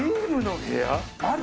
ある？